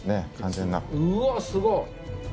うわっすごっ！